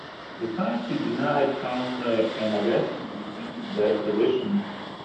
The party denied foul play and aggressively defended their position.